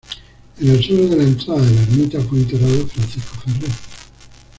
En el suelo de la entrada de la ermita fue enterrado Francisco Ferrer.